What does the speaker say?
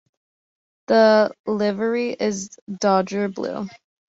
The livery is dodger blue.